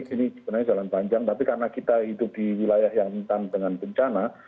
ini sebenarnya jalan panjang tapi karena kita hidup di wilayah yang rentan dengan bencana